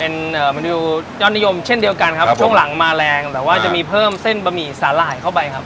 เป็นเมนูยอดนิยมเช่นเดียวกันครับช่วงหลังมาแรงแต่ว่าจะมีเพิ่มเส้นบะหมี่สาหร่ายเข้าไปครับ